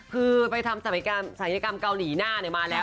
คือไปทำศัลยกรรมเกาหลีหน้ามาแล้ว